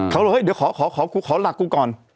เขาจะหลักกูก่อน